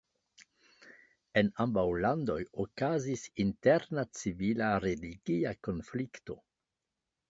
En ambaŭ landoj okazis interna civila religia konflikto.